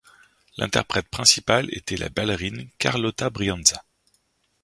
L'interprète principale était la ballerine Carlotta Brianza.